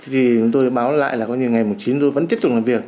thì chúng tôi báo lại là có như ngày chín một mươi tôi vẫn tiếp tục làm việc